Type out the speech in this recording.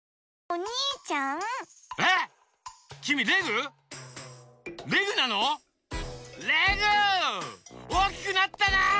おおきくなったなあ！